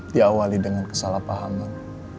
diawali dengan kesalahpahaman